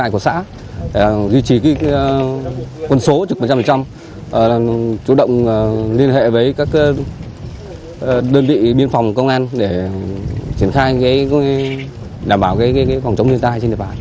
chủ động liên hệ với các đơn vị biên phòng công an để đảm bảo phòng trống liên tài trên địa bàn